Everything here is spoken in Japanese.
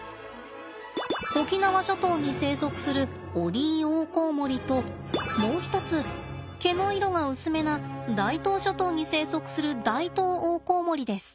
沖縄諸島に生息するオリイオオコウモリともう一つ毛の色が薄めな大東諸島に生息するダイトウオオコウモリです。